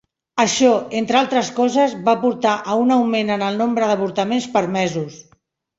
Això, entre altres coses, va portar a un augment en el nombre d'avortaments permesos.